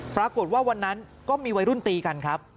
ปรากฏว่าวันนั้นก็มีวัยรุ่นตีกันครับ